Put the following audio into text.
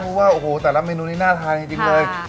เพราะว่าโอ้โหแต่ละเมนูนี้น่าทานจริงเลย